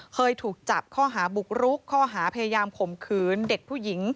เคยถูกจับข้อหาบุกรุกข้อหาพยายามข่มขืนเด็กผู้หญิง